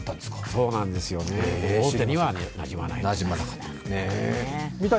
そうなんですよ、大手にはなじまなかった。